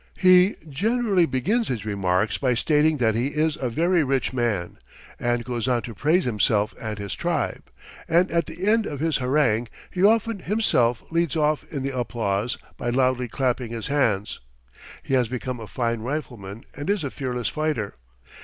He generally begins his remarks by stating that he is a very rich man, and goes on to praise himself and his tribe, and at the end of his harangue he often himself leads off in the applause by loudly clapping his hands. He has become a fine rifleman and is a fearless fighter.